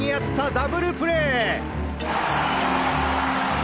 ダブルプレー！